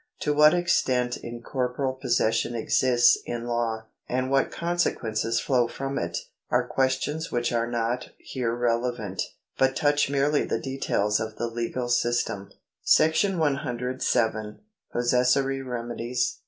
To what extent incorporeal possession exists in law, and what consequences flow from it, are questions which are not here relevant, but touch merely the details of the legal system. § 107. Possessory Remedies.